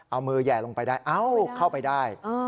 เอามือแห่ลงไปได้เอ้าเข้าไปได้